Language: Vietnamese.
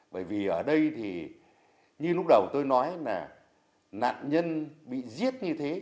bởi vì ở đây thì như lúc đầu tôi nói là nạn nhân bị giết như thế